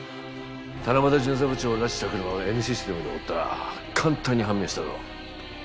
七夕巡査部長を拉致した車をＮシステムで追ったら簡単に判明したぞ。